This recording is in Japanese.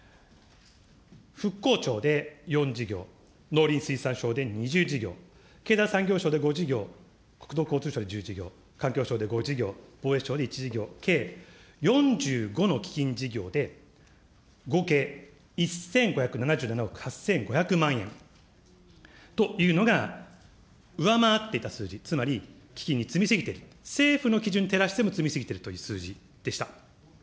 復興庁で４事業、農林水産省で２０事業、経済産業省で５事業、国土交通省で１０事業、環境省で５事業、防衛省で１事業、計４５の基金事業で合計１５７７億８５００万円というのが、上回っていた数字、基金に積み過ぎてる、政府の基準に照らしても積み過ぎているという数字でした。